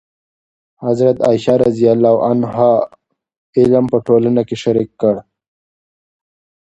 حضرت عایشه رضي الله عنها علم په ټولنه کې شریک کړ.